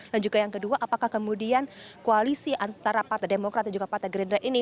dan juga yang kedua apakah kemudian koalisi antara partai demokrat dan juga partai gerindra ini